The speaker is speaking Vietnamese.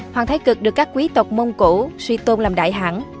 hoàng thái cực được các quý tộc mông cổ suy tôn làm đại hãng